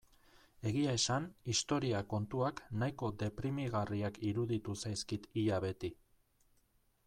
Egia esan historia kontuak nahiko deprimigarriak iruditu zaizkit ia beti.